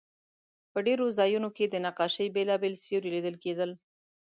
په ډېرو ځایونو کې د نقاشۍ بېلابېل سیوري لیدل کېدل.